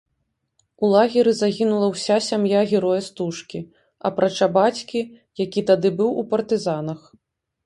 У лагеры загінула ўся сям'я героя стужкі, апрача бацькі, які тады быў у партызанах.